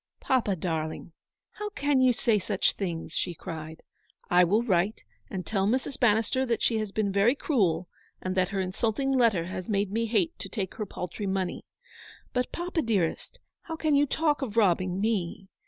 " Papa, darling, how can you say such things," she cried. " I will write and tell Mrs. Bannister that she has been very cruel, and that her insult ing letter has made me hate to take her paltry money. But, papa, dearest, how can you talk of robbing me.